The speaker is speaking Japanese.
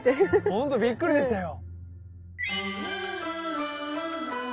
ほんとびっくりでしたよ。